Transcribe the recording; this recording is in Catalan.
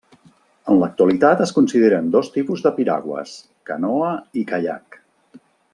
En l'actualitat es consideren dos tipus de piragües: canoa i caiac.